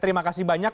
terima kasih banyak